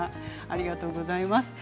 ありがとうございます。